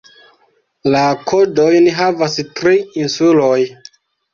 La kodojn havas tri insuloj.